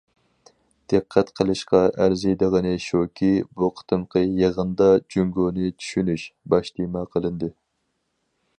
دىققەت قىلىشقا ئەرزىيدىغىنى شۇكى، بۇ قېتىمقى يىغىندا« جۇڭگونى چۈشىنىش» باش تېما قىلىندى.